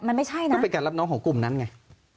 มันไม่ใช่นะก็เป็นการรับน้องของกลุ่มนั้นไง